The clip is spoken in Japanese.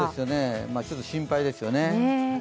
ちょっと心配ですよね。